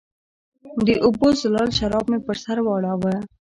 د اوبو زلال شراب مې پر سر واړوله